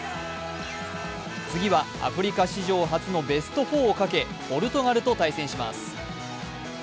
次はアフリカ史上初のベスト４をかけポルトガルと対戦します。